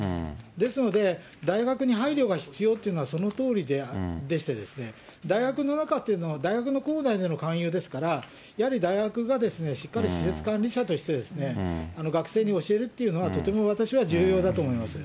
ですので、大学に配慮が必要っていうのはそのとおりででして、大学の中というのは、大学の構内での勧誘ですから、やはり大学がしっかり施設管理者として、学生に教えるっていうのは、とても私は重要だと思います。